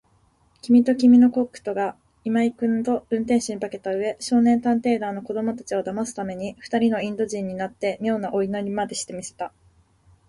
きみときみのコックとが、今井君と運転手に化けたうえ、少年探偵団の子どもたちをだますために、ふたりのインド人になって、みょうなお祈りまでして見せた。